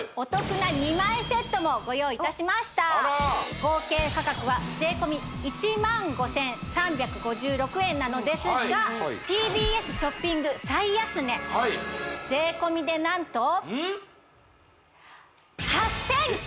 そして今回さらに合計価格は税込み１万５３５６円なのですがＴＢＳショッピング最安値税込みで何とえっ！？